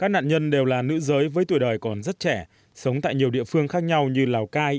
các nạn nhân đều là nữ giới với tuổi đời còn rất trẻ sống tại nhiều địa phương khác nhau như lào cai